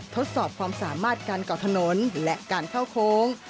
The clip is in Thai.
ทดสอบความสามารถการเกาะถนนและการเข้าโค้ง